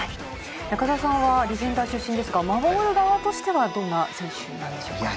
中澤さんはディフェンダー出身ですが守る側としてはどんな選手なんでしょうか？